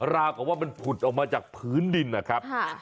ราวกับว่ามันผุดออกมาจากพื้นดินนะครับ